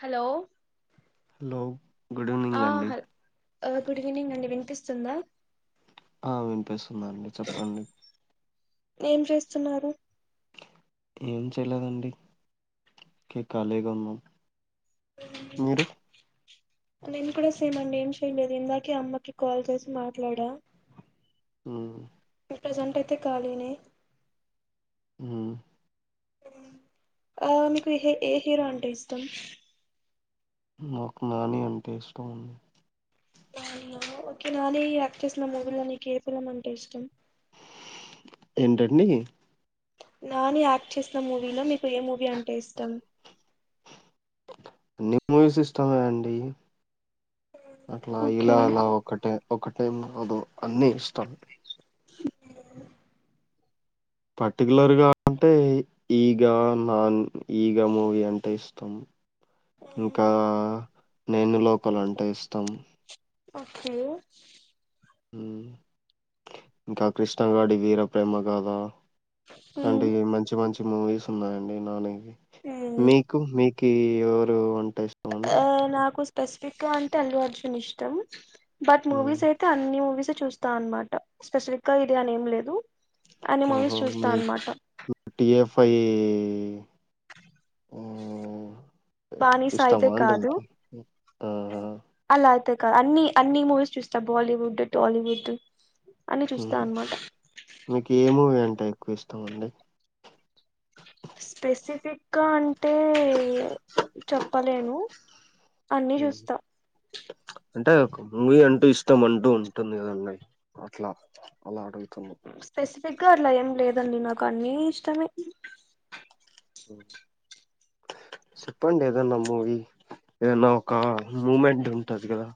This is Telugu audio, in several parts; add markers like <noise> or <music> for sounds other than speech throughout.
హలో లో ఆ హ ఆ గుడ్ ఈవెనింగ్ అండి వినిపిస్తుందా ఆ వినుపిస్ స్తుందండి చెప్పండి ఏం చేస్తున్నారు ఏం చేయలేదండి కే కాలేగా ఉన్నాం మీరు ేను కూడా స చేయమండి ఏం చెయలేదు ఇందకే అమ్మ కె కాల్ చేసి మాట్లాడా అ ప్రెసెంట్ అయితే ఖాళీనే ఆ ఆ మీకు ఏ ఏ హీరో అంటే ఇష్టం నాకు నాని అంటే ఇష్టం ఉ ఓకే నాని యాక్ట్ చేసిన మూవీలో నీకు ఏ ఫిలిం అంటే ఇష్టం ఏంటండి నాని యాక్ట్ చెస్ నా మూవీలో మీకు ఏ మూవీ అం టేష్టం అన్ని మూవస్ ఇష్టమే అండి అట్లా ఓకే ఇలా అలా ఒక్కటే ఒక టైం అదో అన్నీ ఇష్టం పర్టికులర్గా అంటే ఈగ నాన్ ఈగ మూవీ అంటే ఇష్టం. ఇంకా నేను లోకల్ అంటే ఇష్టం ఓకే ఇంకా కృష్ణగాడి వీర ప్రేమ గాధ ఇలాంటివి మంచి మంచి మూవీస్ ఉన్నాయండి నాని మీక్ మీక్ కే ఎవలు వన్ ఆ నాకు స్పెసిఫిక్ గా అంటే అల్లు అర్జున్ ఇష్ తము బట్ హ్మ్. మూవీస్ అయితే అన్ని మూవీస్ చూస్ స్త అనమాట స్పెసిఫిక్ గా ఇదే అని ఏం లేదు అన్ని మూవీస్ ఒహో చూస్తా మీరు అనమాట టిఎఫ్ఐ ఈ బానీస అయితే ఇష్టమా అండి కాదు మీకి? ఆహా! అలా అయితే కాదు అన్ని అన్ని మూవీస్ చూస్తా బాలీవుడ్ టాలీవుడ్ అన్ని చూస్తా ఉహు అనమాట మీకు ఏ మూవీ అంటే ఇస్టమండి స్పెసిఫిక్గా అన్ అంటే చెప్పలేను అన్ని హ్మ్. చూస్తా అంటే ఒక మూవీ అంటూ ఇష్టం అంటూ ఉంటుంది. కదండి అట్లా అలా అడుగు స్పెసిఫ్ సిగ్గా అట్లా ఏం లేదండి నాకు అన్నీ ఇష్టమే చెప్పండి ఏదన్నా మూవీ ఏదన్నా ఒక మూమెంట్ ఉంటది కదా.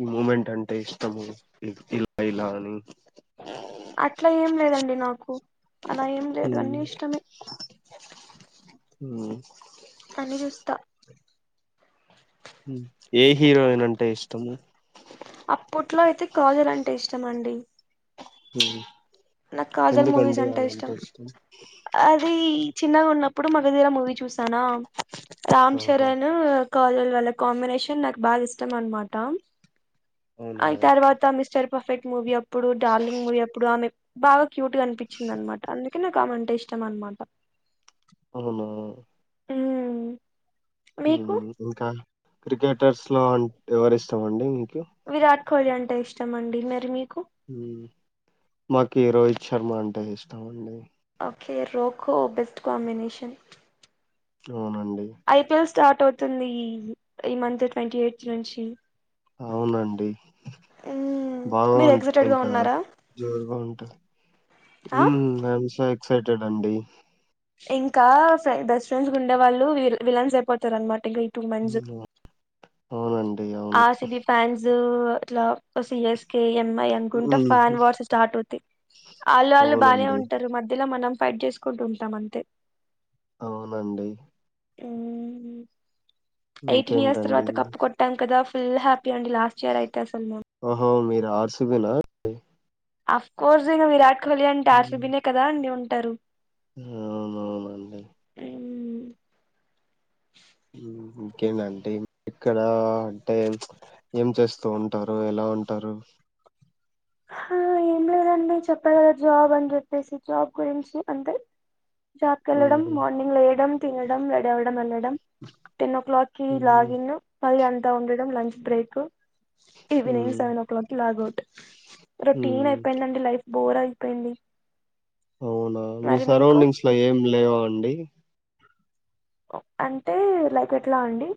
ఈ మూమెంట్ అంటే ఇష్టము ఇలా ఇలా అని అట్లా ఏం లేదండి నాకు అలా ఏం లేదు అన్ని ఇష్టమే ఉమ్ అన్నీ చూస్తా ఏ హీరోయిన్ అంటే ఇష్టము అప్పట్లో అయితే కాజల్ అంటే ఇష్టం అండి హ నాకు కాజల్ మూవీస్ అంటే ఇష్టం. అది చిన్నగున్నప్పుడు మగధీర మూవీ చూస్త నా రామ్ ఆహా చరణ్ కాజల్ వళ్ల కాంబినేషన్ నాకు బాగా ఇష్టం అనమాట అవునా అ తర్వాత మిస్టర్ పఫెక్ట్ మూవి ఇప్పుడు డార్లింగ్ మూవి అప్పుడు ఆమె బాగా క్యూట్ గా అనిపించింది అనమాట అందుకే నాకు ఆమెంటే ఇష్టం అనమాట అవునా ఉమ్ మీకు మ్ ఇంకా క్రికెటర్స్ లో ఎవరి ఇష్టం అండి విరాట్ కోహ్లీ అంటే ఇష్టం అండి మరి మీకు మాకి రోహిత్ శర్మ అంటే ఇష్టం అండి ఓకే రోకో బెస్ట్ కాంబినేషన్ అవునండి ఐపీఎల్ స్టార్ట్ అవుతుంది ఈ ఈ మంత్ ట్వంటీ ఎయిత్ నుంచి అవునండి ఉమ్ బాగా మీరు ఉంటాయి ఎక్సైటెడ్ గా ఇంకా ఉన్నారా జోరుగా ఉంటాది ఆ మ్మ్ ఎక్సైటెడ్ అండి ఇంకా బెస్ట్ ఫ్రెండ్స్ ఉండే వాళ్ళు వి విలాన్స్ అయిపోతారు అనమాట ఇంకా టూ మంత్స్ హ్మ్. అవునండి అవును ఆర్సీబీ ఫ్యాన్స్ అట్లా సిఎస్కే ఎం అకుంట హ్మ్. ఫాన్ వార్స్ స్టార్ట్ అవుతాయి ఆళ్ళు వాళ్ళు బాగానే అవునండి ఉంటారు మధ్యలో మనం ఫైట్ చేసుకుంటూ ఉంటాం అంతే అవునండి మ్మహు ఎయిటీన్ ఇయర్స్ ఇంకేంటండి తర్వాత కప్పు కొట్టం ఫుల్ హ్యాపీ అడి లాస్ట్ ఇయర్ అయితే అసలు మేము ఓహో మీ ఆర్సిబి నా ఆఫకోర్స్ ఇంగ విరాట్ లి అని టార్స్బి కదడి ఉడి టరు అవునవునండి ఉమ్, ఇంకేంటంటడి ఇక్కడ అంటే ఏం చేస్తూ ఉంటారు ఎలా ఉంటారు ఏం లేదండి చెప్పగ కదా జాబ్ అని చెప్పేసి జాబ్ గురించి అంతే జాబ్ కి వెళ్ళడం ఉహు మార్నింగ్ వేయడం తినడం రెడీ అవ్వడం నల్ టెన్ ఓ క్లాక్కి ఉమ్ లాగిన్ ఫ ఉండడం lunch break evening um seven o'clock కి లాగౌట్ ఉమ్ రొటీన్ అయిపోయిందండి లైఫ్ బోర్ అయిపోయింది. అవునా మీ మరి మీకు సరౌండింగ్స్ లో ఏం లేవా అండి అంటే లైక్ ఎట్లా అండి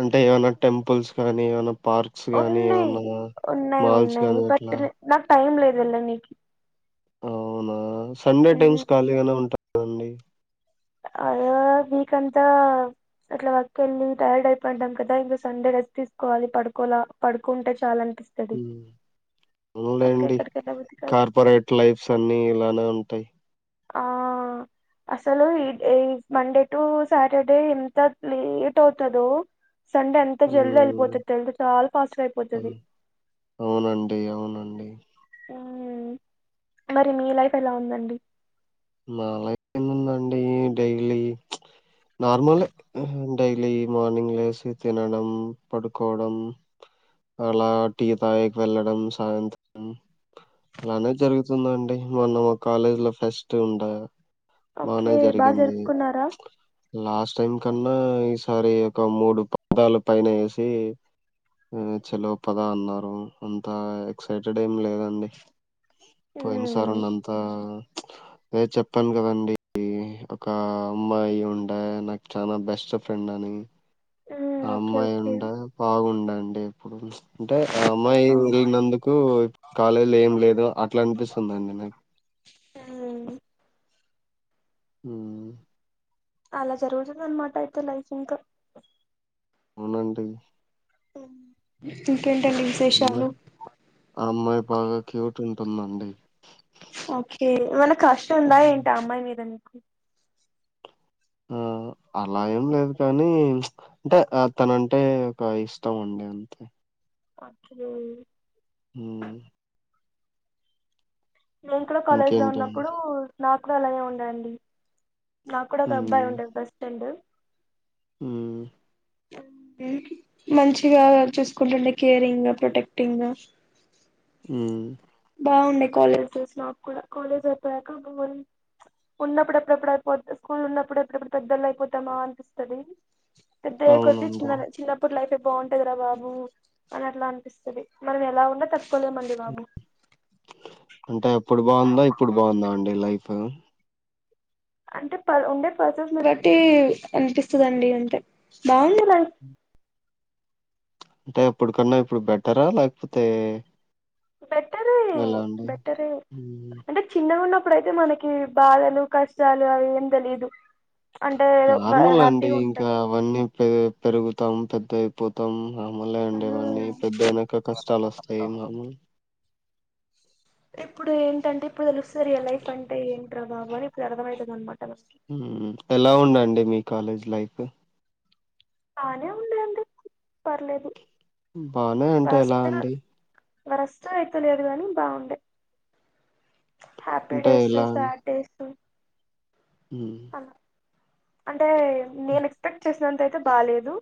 అంటే ఏమైనా టెంపుల్స్ కానీ ఏమైనా పార్క్స్ గానీ ఉన్నాయి ఏమన్నా ఉన్నాయి మాల్స్ ఉన్నాయి గానీ బట్ అట్లా నాకు టైం లేదు వెళ్ళ నీకి అవునా సండే టైమ్స్ ఖాళీగానే ఉంటా అండి ఆ వీక్ అంతా అట్లా వర్క్ కెళ్ళి టైర్డ్ అయిపోంటాం కదా ఇంకా సండే రెస్ట్ తీసుకోవాలి పడుకోలా పడుకుంటే చాలు అవునులేండి ఎక్కడికి వెళ్ళబుద్ధి కాదు కార్పొరేట్ లైఫ్స్ అన్ని ఇలానే ఉంటాయి. ఆ అసలు ఈ మండే టు సాటర్డే ఎంత లేట్ అవుతదో సండే అంతా జల్ద ఉమ్ వెళ్ళిపోతది తెల్దు చాలా ఫాస్ట్ గా అయిపోతది అవును- అవునండి అవునండి ఉం మరి మీ లైఫ్ ఎలా ఉందండి? నా లైఫ్ కి ఏముందండి డైలీ నార్మల్ ఏ డైలీ మార్నింగ్ లేసి తినడం పడుకోవడం అలా టీ తాగానికి వెళ్ళడం సాయంత్రం అలానే జరుగుతుందండి మొన్న మా కాలేజీ లో ఫెస్ట్ ఉండె బానే ఓకే బాగా జరిగింది జరుపుకున్నారా లాస్ట్ టైం కన్నా ఒకసారి ఒక మూడు పదాల పైన వేసి సెలవు పద అన్నారు అంత ఎక్సైటెడ్ ఏమి లేదండి పోయిన సారి మ్మ్ అంతా అ చ చెప్పాను కదండి ఒక అమ్మాయి ఉంటే నాకు చాల బెస్ట్ ఫ్రెండ్ అని మ్మ్ ఆ ఓకే అమ్మాయి ఓకే ఉంటే బాగుండండి డి అంటే ఆ అమ్మాయి వెళ్ళినందుకు కాలేజీ ఏం లేదు అట్లా అనిపిస్తుందండి నాకు ఆ హ అలా జరుగుతుంది అనమాట అయితే లైఫ్ ఇంకా అవునండి ఉ ఇంకేంటండి విశేషాలు అమ్మాయి ఆ అమ్మాయి బాగా క్యూట్ ఉంటుందండి ఓకే ఇవ్వాళా క్రష్ ఉందా ఏంటి ఆ అమ్మాయి మీద నీకు ఆ అలా ఏం లేదు కానీ ప్చ్ అంటే అతనంటే ఒక ఇష్టం అండి అంతే ఆత్ ను హ్మ్ నేను కూడా కాలేజ్ లో ఇంకేంటండి ఉన్నప్పుడు నాక్ కూడా అలాగే ఉందండి నాకు కూడా ఒక అబ్బాయి ఉండే బెస్ట్ ఫ్రెండ్ హ్మ్ మంచిగా చూసుకుంటుండే కేరింగ్ గా ప్రొటెక్టింగ్ గా హ్మ్ బా ఉండే కాలేజ్ తెలుసు మాకు కూడా కాలేజ్ అయిపోయాక బో ఉన్నప్పుడు ఎప్పుడప్పుడు అయిపోత స్కూల్ ఉన్నప్పుడు ఎప్పుడప్పుడు పెద్దోళ్ళు అయిపోతామా అనిపిస్తుంది పెద్దయ్యే కొద్ది అవునండి. చిన్న చిన్నప్పుడు లైఫ్ బాగుంటదిరా బాబు అని అట్లా అనిపిస్తది మనం ఎలా ఉన్నా తప్పుకోలేమండి బాబు అంటే అప్పుడు బావుందా ఇప్పుడు బావుందా అండి లైఫు అంటే ప ఉండే పర్సన్స్ నీ బట్టి అనిపిస్తదండి అంతే బాగుంది లైఫ్ అంటే అప్పుడికన్నా ఇప్పుడు బెటరా లేకపోతే బెటరే ఎలా అండి? బెటరే హ్మ్. అంటే చిన్నగా ఉన్నప్ ఇప్పుడైతే మనకి బాధలు కష్టాలు అవి ఏం లేదు నార్మల్ అండి ఇంకా అవన్నీ ప పెరుగుతాం పెద్ద అయిపోతాం మామూలే అండి ఇవన్నీ పెద్ద అయినాక కష్టాలు వస్తాయి మామూలే ఇప్పుడు ఏంటంటే ఇప్పుడు తెలుస్తది రియల్ లైఫ్ అంటే ఏంట్రా బాబు అని ఇప్పుడు అర్థమయితది అన్నమాట ఎలా ఉందండి మీ కాలేజ్ లైఫ్ ఓ బానే ఉంది అండి పర్లేదు బానే అంటే ఎలా అండి మరి అస్సలు అయితే లేదు గాని బాగుండే హ్యాపీ అంటే డేసు ఎలా అండి? సేడ్ డేస్ హ్మ్ అలా అంటే నేను ఎక్స్పెక్ట్ చేసినంత అయితే బాలేేదు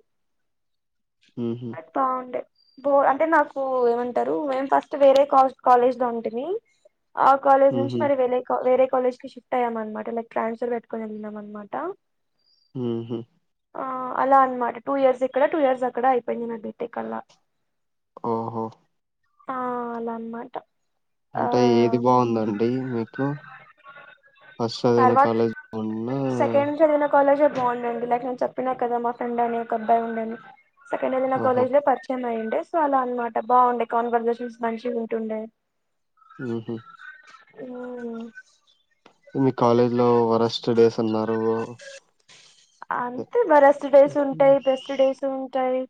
హుహు. అ బాగుండే బో అంటే నాకు ఏమంటారు మేము ఫస్ట్ వేరే కా కాలేజ్ లో ఉంటిని ఆ కాలేజ్ నుంచి హుహు. మరి వేరే వేరే కాలేజ్ కి షిఫ్ట్ అయమానమాట లైక్ ట్రాన్స్ఫర్ పెట్ క్కదినమనమనమాట ఊహు ఆ అలా అనమాట టూ ఇయర్స్ ఇక్కడ టూ ఇయర్స్ అక్కడ అయిపోయింది నా బీటేక్ అలా ఓహో ఆ అలా అనమ్మాట అంటే ఏది బాగుందండి మీకు ఫస్ట్ చదిన తర్వాత కాలేజ్ బ సెకండ్ జదివిన కాలేజే బాగుండండి లైక్ నేను చెప్పినా కదా మా ఫ్రెండ్ అని ఒక అబ్బాయి ఉండని సెకండే నే నాకు ఓహో కాలేజ్ లో పరిచయమయిండు ఎ సొ అలా అనమాట బాగుండే కన్వర్జేషన్స్ మంచి ఉంటుండే ఊహు ఊ మీ కాలేజ్ లో వరస్ట్ డేస్ అన్నారు అంతే మరెస్ట్ డేస్ ఉంటాయి బెస్ట్ డేస్ ఉంటాయి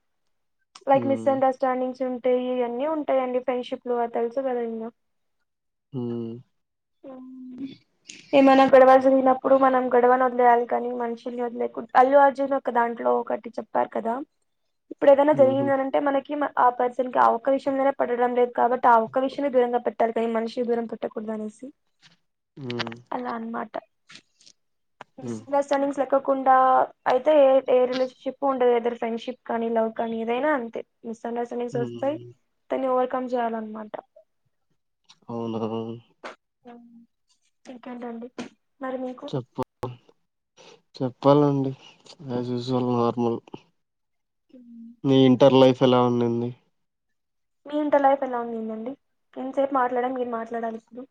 లైక్ మిస్ హ్మ్ అండర్స్టాండింగ్స్ ఉం అంటే ఇవన్నీ ఉంటాయిండి ఫ్రెండ్షిప్ లో తెలుసు కదా ఇంగ ఊ ఏమన్నా గోడవ జరిగినప్పుడు మనం గో డవను వదిలేయాలి కాని మనుషుల్ని వదిలేకుడా అల్లు అర్జున్ ఒక దాంట్లో ఒకటి చెప్పారు కదా ఇప్పుడు ఏదైనా ఊహు జరిగింద అనింటే మనకి ఆ పర్సన్ కి ఆ ఒక్క విషయంలోనా పట్టడం లేదు కాబట్టి ఆ ఒక్క విషయమ దూరంగా పెట్టాలి కానీ మనిషికి దూరం పెట్టకూడదు అనేసి హ్మ్ అలా అనమాట ఈ హ్మ్ సీనియర్ సన్నింగ్ ఎక్కో కుండా అయి ఏ ఏరిలేషన్ షిప్ ఉండ ఎదుర్ ఫ్రెండ్షిప్ కానీ లవ్ కానీ ఏదైనా అంతే మిస్ అండర్స్టాడింగ్స్ వస్తాయి హ్మ్ తని క్కం చేయాలన్నమాట అవునా ఇంకేంటండి మరి మీకు చెప్ప చెప్పాలండి ఆజ్ యూజువల్ నార్మల్ ఊ నీ ఇంటర్ లైఫ్ ఎలా ఉండింది మీ ఇంటర్ లైఫ్ ఎలా ఉందిందండి నీనుయింతసేపు మాట్లాడ మీరు మాట్లాడాల్ ఇప్పుడు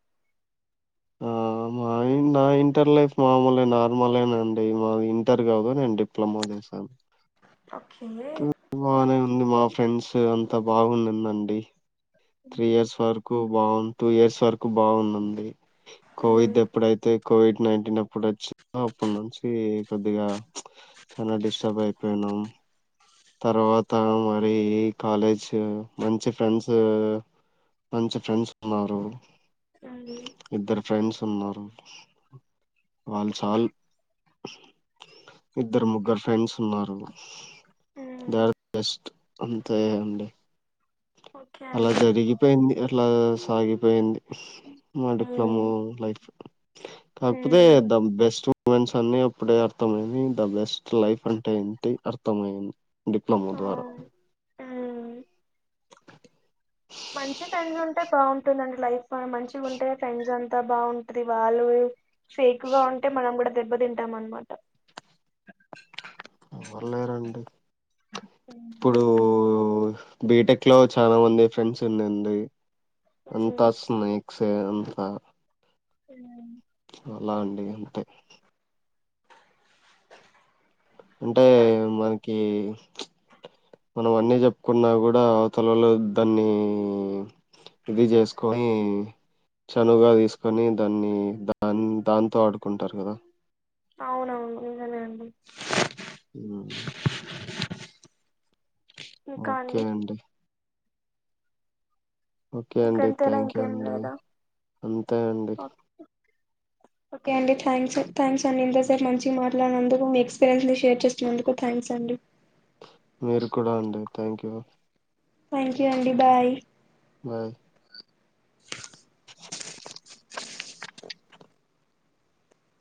ఆ మా నా ఇంటర్ లైఫ్ మామూలు నార్మలేనండి మా ఇంటర్ కాదు నేను డిప్లొమా చేశాను ఓకే <unintelligible> బానే ఉంది మాఫ్ ఫ్రెండ్స్ అంత బాగున్నిందండి. త్రీ మ్మ్ ఇయర్స్ వరకు బాగున్ టూ ఇయర్స్ వరకు బాగుందండి. మ్మ్ కోవిడ్ ఎప్పుడైతే కోవిడ్ నైన్టీన్ అప్పుడు వచ్చి అప్పటి నుంచి కొద్దిగా చానా డిస్టర్బ్ అయిపోయినాం. తర్వాత మరి కాలేజ్ మంచి ఫ్రెండ్స్ మంచి ఫ్రెండ్స్ ఉన్నారు. ఇద్దరు <unintelligible> ఫ్రెండ్స్ ఉన్నారు. వాల్ చాల్. ఇద్దరు ముగ్గురు ఫ్రెండ్స్ ఉన్నారు మ్మ్ ద బెస్ట్ అంతే అండి. ఓకే అలా అండి జరిగిపోయింది అట్లా సాగిపోయింది. మా డిప్లమో మ్మ్ లైఫ్ కాకపోతే మ్మ్ ద బెస్ట్ మూమెంట్స్ అన్ని అప్పుడే అర్థమైంది ద బెస్ట్ లైఫ్ అంటే ఏంటి అర్థమైంది. డిప్లమో ఆ ద్వారా మ్మ్ మంచి ఫ్రెండ్స్ ఉంటే బాగుంటుందండి లైఫ్ మనం మంచిగుంటే ఫ్రెండ్స్ అం అంతా బాగుంటది వాళ్ళు ఫేక్ గా ఉంటే మనం కూడా దెబ్బదింటాం అన్నమాట ఎవ్వర్లేరండి. ఇప్పుడూ బీటెక్ లో చాలా మంది ఫ్రెండ్స్ ఉన్నరండి. అంతాస్న్నా స్తే అంతా <unintelligible> అలా అండి అంతే అంటే మనకి మనం అన్ని చెప్పుకున్నా కూడా అవతలొల్లు దాన్ని ఇది చేసుకొని చనువుగా తీసుకొని దాన్ని దాన్ని దాంతో ఆడుకుంటారు కదా అవునవును నిజమే అండి. <unintelligible> ఓకే అండి. ఓకే అండి ఇంకెంతేనా థ్యాంక్ యూ ఇంకేం అండి లేదా అంతే అండి ఓ ఓకే అండి థాంక్స్ థ్యాంక్స్ అండి ఇంతసేపు మంచి మాట్లాడినందుకు మీ ఎక్స్పీరియన్స్ ని షేర్ చేస్తున్నందుకు థ్యాంక్స్ అండి మీరు కూడా అండి థ్యాంక్ యూ థ్యాంక్ యూ అండి బాయ్ బాయ్